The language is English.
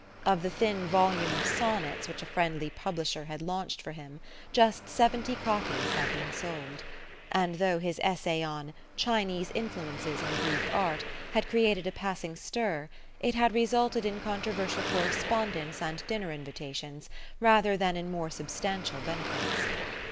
Of the thin volume of sonnets which a friendly publisher had launched for him, just seventy copies had been sold; and though his essay on "Chinese Influences in Greek Art" had created a passing stir, it had resulted in controversial correspondence and dinner invitations rather than in more substantial benefits.